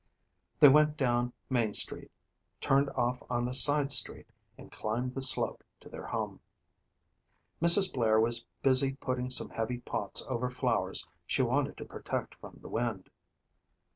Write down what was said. They went down main street, turned off on the side street and climbed the slope to their home. Mrs. Blair was busy putting some heavy pots over flowers she wanted to protect from the wind.